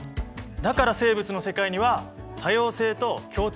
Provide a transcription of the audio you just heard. だから生物の世界には多様性と共通性がある。